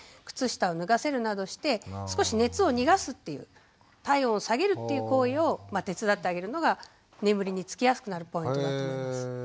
靴下を脱がせるなどして少し熱を逃がすっていう体温を下げるっていう行為を手伝ってあげるのが眠りにつきやすくなるポイントだと思います。